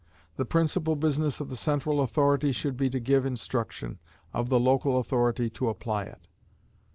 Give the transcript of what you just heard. The principal business of the central authority should be to give instruction, of the local authority to apply it.